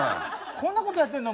こんなことやってんの？